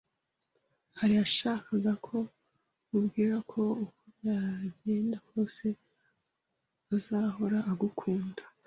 Alain yashakaga ko nkubwira ko uko byagenda kose, azahora agukunda.